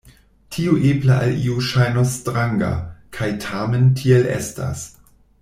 Tio eble al iu ŝajnos stranga, kaj tamen tiel estas.